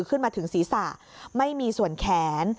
ขึ้นมาถึงศีรษะไม่มีส่วนแขน